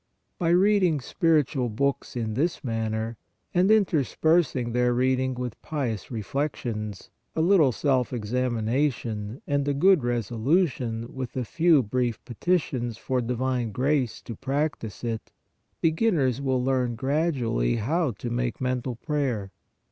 By reading spiritual books in this manner, and interspersing their reading with pious reflections, a little self examination and a good reso lution with a few brief petitions for divine grace to practise it, beginners will learn gradually how to make mental prayer.